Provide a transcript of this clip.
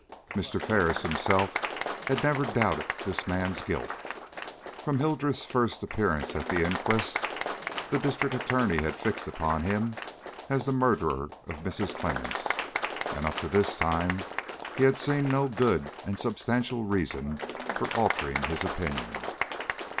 Mr. Ferris himself had never doubted this man's guilt. From Hildreth's first appearance at the inquest, the District Attorney had fixed upon him as the murderer of Mrs. Clemmens, and up to this time he had seen no good and substantial reason for altering his opinion.